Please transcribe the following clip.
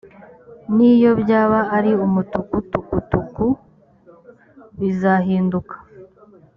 niyo byaba ari umutuku tukutuku bizahinduka.